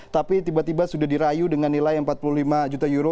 tapi tiba tiba sudah dirayu dengan nilai empat puluh lima juta euro